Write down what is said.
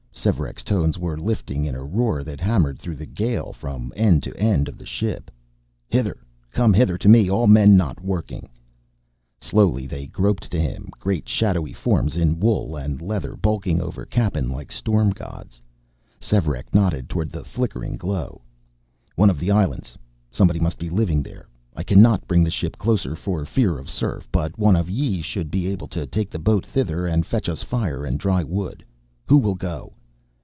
Svearek's tones were lifting in a roar that hammered through the gale from end to end of the ship: "Hither! Come hither to me, all men not working!" Slowly, they groped to him, great shadowy forms in wool and leather, bulking over Cappen like storm gods. Svearek nodded toward the flickering glow. "One of the islands, somebody must be living there. I cannot bring the ship closer for fear of surf, but one of ye should be able to take the boat thither and fetch us fire and dry wood. Who will go?"